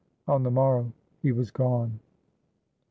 On the morrow, he was gone.